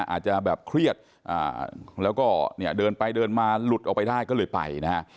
อาจจะแบบเครียดแล้วก็เนี่ยเดินไปเดินมาหลุดออกไปได้ก็เลยไปนะฮะ